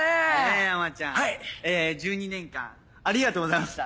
１２年間ありがとうございました。